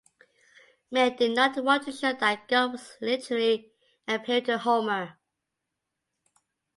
Meyer did not want to show that God was literally appearing to Homer.